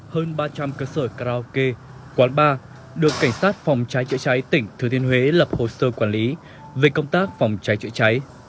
hơn ba trăm linh cơ sở karaoke quán bar được cảnh sát phòng cháy chữa cháy tỉnh thừa thiên huế lập hồ sơ quản lý về công tác phòng cháy chữa cháy